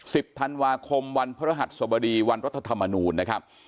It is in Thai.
สิบธันวาคมวันพระรหัสสบดีวันรัฐธรรมนูลนะครับ